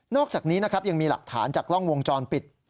อกจากนี้นะครับยังมีหลักฐานจากกล้องวงจรปิด